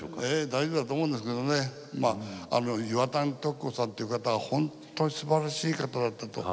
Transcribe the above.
大事だと思うんですけどね岩谷時子さんという方は本当にすばらしい方だったと。